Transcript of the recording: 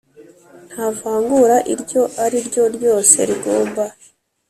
Nta vangura iryo ari ryo ryose rigomba